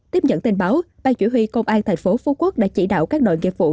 tiếp dẫn tin báo bang chủ huy công an thành phố phú quốc đã chỉ đạo các nội nghiệp vụ